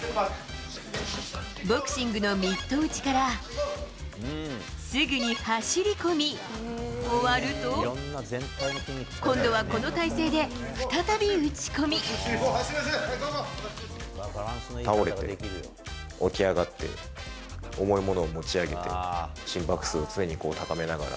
ボクシングのミット打ちから、すぐに走り込み、終わると、倒れて起き上がって、重いものを持ち上げて、心拍数を常に高めながら。